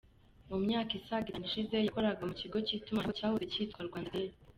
Mu myaka isaga itanu ishize yakoraga mu kigo cy’itumanaho cyahoze cyitwa Rwandatel.